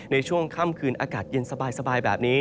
ในช่วงค่ำคืนอากาศเย็นสบายแบบนี้